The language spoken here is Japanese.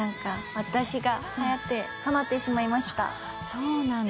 そうなんだ。